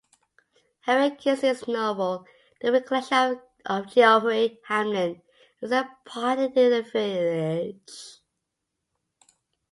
Henry Kingsley's novel "The Recollections of Geoffry Hamlyn" is set partly in the village.